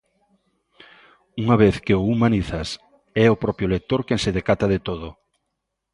Unha vez que o humanizas é o propio lector quen se decata de todo.